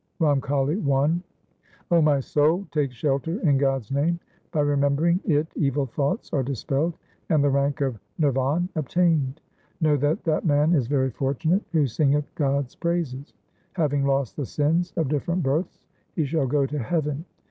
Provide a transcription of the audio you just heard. Ramkali I O my soul, take shelter in God's name ; By remembering it evil thoughts are dispelled, and the rank of nirvan obtained. Know that that man is very fortunate who singeth God's praises ; Having lost the sins of different births he shall go to heaven.